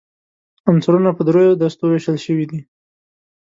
عنصرونه په درې دستو ویشل شوي دي.